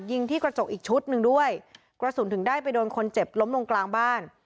ยิงที่กระจกอีกชุดหนึ่งด้วยกระสุนถึงได้ไปโดนคนเจ็บล้มลงกลางบ้าน